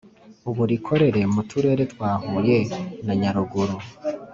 ubu rikorere mu Turere twa Huye na Nyaruguru